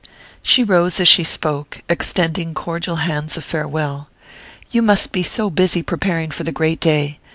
She rose as she spoke, extending cordial hands of farewell. "You must be so busy preparing for the great day...